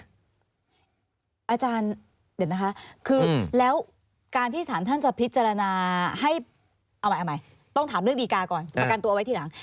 อาจารย์เดี๋ยวนะคะคือแล้วการที่สารท่านจะพิจารณาให้เอาใหม่เอาใหม่ต้องถามเรื่องดีการ์ก่อนประกันตัวไว้ทีหลัง